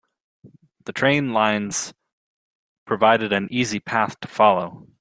The train lines provided an easy path to follow.